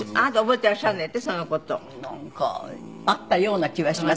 なんかあったような気はしますけど。